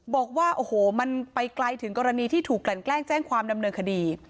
บอกว่าโอ้โหมันไปไกลถึงกรณีที่ถูกกลั่นแกล้งแจ้งความดำเนินคดี